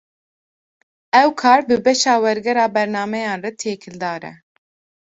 Ew kar, bi beşa wergera bernameyan re têkildar e